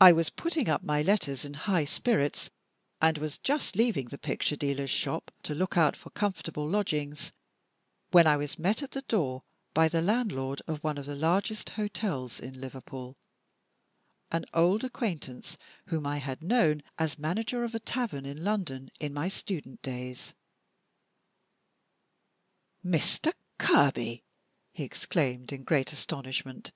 I was putting up my letters in high spirits, and was just leaving the picture dealer's shop to look out for comfortable lodgings, when I was met at the door by the landlord of one of the largest hotels in Liverpool an old acquaintance whom I had known as manager of a tavern in London in my student days. "Mr. Kerby!" he exclaimed, in great astonishment.